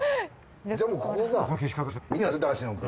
じゃあもうここ行くか。